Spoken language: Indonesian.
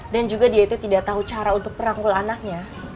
dan juga dia itu tidak tahu cara untuk perangkul anaknya